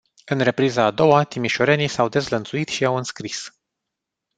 În repriza a doua, timișorenii s-au dezlănțuit și au înscris.